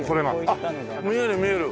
あっ見える見える。